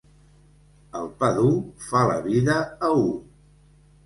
El pa dur fa la vida a u.